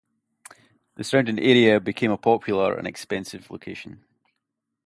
The surrounding area became a popular and expensive location.